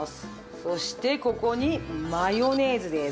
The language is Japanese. そしてここにマヨネーズです。